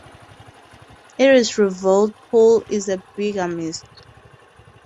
It is revealed Paul is a bigamist.